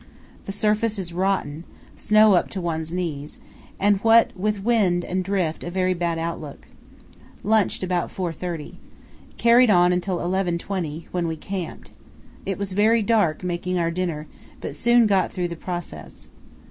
The surface is rotten, snow up to one's knees, and what with wind and drift a very bad outlook. Lunched about 4.30. Carried on until 11.20, when we camped. It was very dark making our dinner, but soon got through the process.